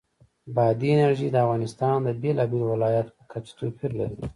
بادي انرژي د افغانستان د بېلابېلو ولایاتو په کچه توپیر لري.